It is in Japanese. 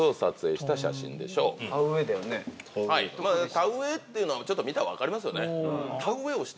田植えっていうの見たら分かりますよね。